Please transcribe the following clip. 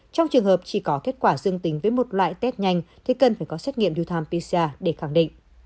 trong trường hợp chỉ có kết quả dương tính với một loại test nhanh thì cần phải có xét nghiệm real time pcr để khẳng định